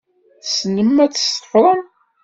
Tessnem ad tṣeffrem?